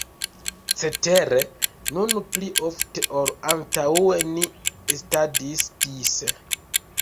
Cetere, nun pli ofte ol antaŭe ni estadis dise.